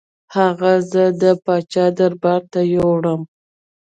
هغه زه د پاچا دربار ته یووړم.